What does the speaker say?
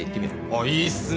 あっいいっすね。